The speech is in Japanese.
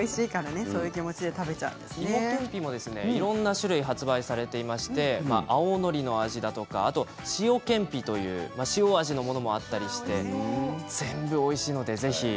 いもけんぴもいろいろ発売されていまして青のりの味だとか塩けんぴという塩味のものもあったりして全部おいしいのでぜひ。